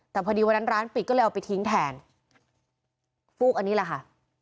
แต่พอดีวันนั้นร้านปิดก็เลยเอาไปทิ้งแทนฟูกอันนี้แหละค่ะ